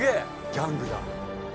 ギャングだ。